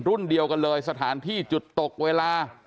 รุ่นเดียวกันเลยสถานที่จุดตกเวลา